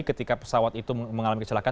ketika pesawat itu mengalami kecelakaan